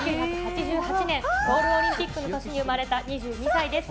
１９８８年、ソウルオリンピックの年に生まれた２２歳です。